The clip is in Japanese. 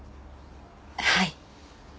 はい。